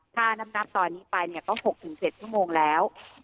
ถ้านับนับตอนนี้ไปเนี่ยก็หกถึงเศษชั่วโมงแล้วอ๋อ